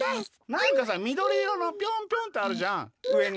なんかさみどりいろのピョンピョンってあるじゃんうえに。